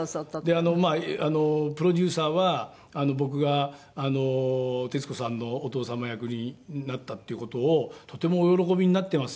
あのプロデューサーは僕が徹子さんのお父様役になったっていう事をとてもお喜びになってます